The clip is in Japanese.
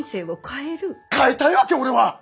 変えたいわけ俺は！